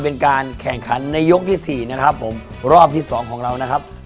อย่างนั้นไปกันเลยครับ